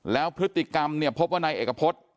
แล้วพฤติกรรมพบว่านายเอกพฤต